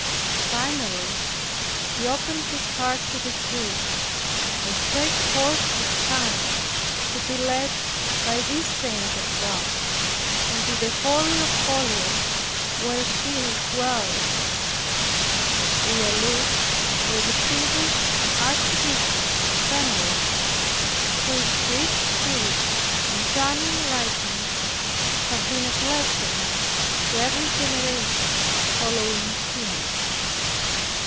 Finally he opened his heart to the truth, and stretched forth his hand to be led by this saint of God into the Holy of Holies where she dwelt. We allude to the distinguished Archbishop Fenelon, whose sweet spirit and charming writings have been a blessing to every generation following him.